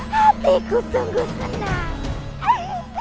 hatiku sungguh senang